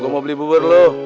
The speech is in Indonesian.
gue mau beli bubur loh